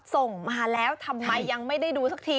ส่งมาแล้วทำไมยังไม่ได้ดูสักที